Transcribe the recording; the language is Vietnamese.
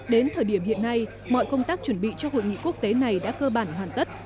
đến thời điểm hiện nay mọi công tác chuẩn bị cho hội nghị quốc tế này đã cơ bản hoàn tất